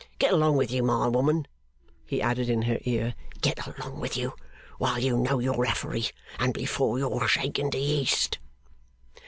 Get along with you, my woman,' he added in her ear, 'get along with you, while you know you're Affery, and before you're shaken to yeast.